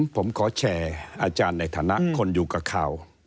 ผมขอแชร์อาจารย์ในฐานะคนอยู่กับข่าว